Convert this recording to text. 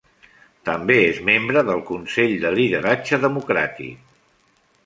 També és membre del Consell de Lideratge Democràtic.